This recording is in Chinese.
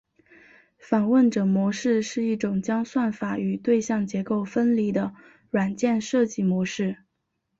访问者模式是一种将算法与对象结构分离的软件设计模式。